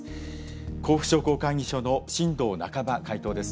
甲府商工会議所の進藤中会頭です。